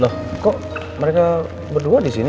loh kok mereka berdua disini